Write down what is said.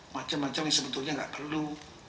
macam macam yang sebetulnya nggak perlu